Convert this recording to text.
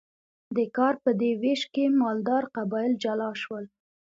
د کار په دې ویش کې مالدار قبایل جلا شول.